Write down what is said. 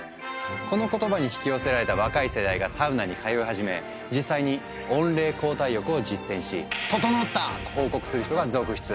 この言葉に引き寄せられた若い世代がサウナに通い始め実際に温冷交代浴を実践し「ととのった！」と報告する人が続出。